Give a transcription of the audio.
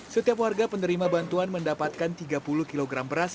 setiap warga penerima bantuan mendapatkan tiga puluh kg beras